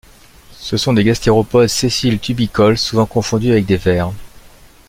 Ce sont des gastéropodes sessiles tubicoles, souvent confondus avec des vers.